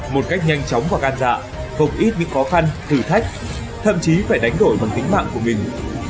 một cách nhanh chóng và gan dạ không ít những khó khăn thử thách thậm chí phải đánh đổi bằng tính mạng của mình